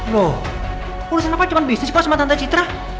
loh urusan apa cuma bisnis pak sama tante citra